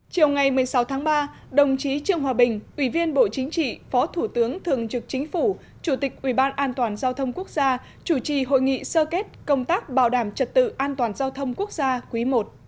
chiều ngày một mươi sáu tháng ba đồng chí trương hòa bình ủy viên bộ chính trị phó thủ tướng thường trực chính phủ chủ tịch ủy ban an toàn giao thông quốc gia chủ trì hội nghị sơ kết công tác bảo đảm trật tự an toàn giao thông quốc gia quý i